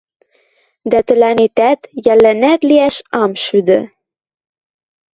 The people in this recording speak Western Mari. – Дӓ тӹлӓнетӓт, йӓллӓнӓт лиӓш ам шӱдӹ...